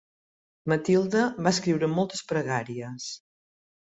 Matilde va escriure moltes pregàries.